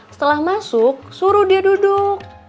setelah masuk suruh dia duduk